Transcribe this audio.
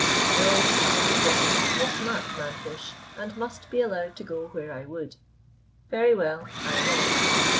No, I was getting to be a smart man fish, and must be allowed to go where I would. Very well, I went.